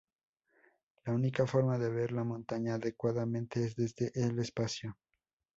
La única forma de ver la montaña adecuadamente es desde el espacio.